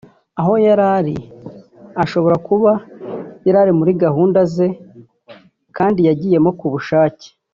aho yari ari ashobora kuba yari ari muri gahunda ze kandi yagiyemo ku bushake